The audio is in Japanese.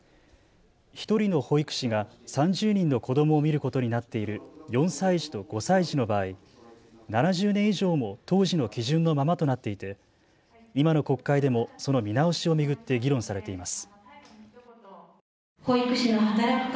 １人の保育士が３０人の子どもを見ることになっている４歳児と５歳児の場合、７０年以上も当時の基準のままとなっていて今の国会でもその見直しを巡って議論されています。